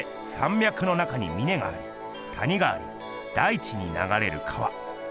みゃくの中にみねがあり谷があり大地にながれる川。